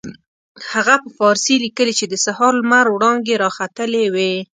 هغه په فارسي لیکلي چې د سهار لمر وړانګې را ختلې وې.